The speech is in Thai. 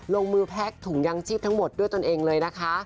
ลงมือแพ็กถุงยางชีพทั้งหมดด้วยตนเองเลยนะคะ